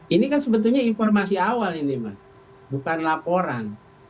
ini kan sebetulnya informasi awal ini mas bukan laporan